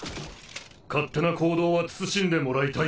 勝手な行動は慎んでもらいたい。